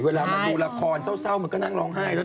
เวลามาดูละครเศร้ามันก็นั่งร้องไห้แล้ว